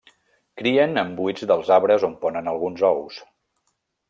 Crien en buits dels arbres on ponen alguns ous.